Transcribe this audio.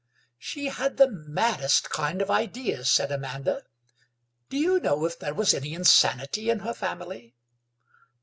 "She had the maddest kind of ideas," said Amanda; "do you know if there was any insanity in her family?"